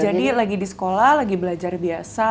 jadi lagi di sekolah lagi belajar biasa